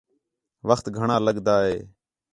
وخت گھݨاں لڳدا ہِے